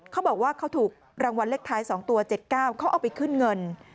เขาบอกว่าเขาถูกรางวัลเลขท้าย๒ตัว๗๙เขาเอาไปขึ้นเงิน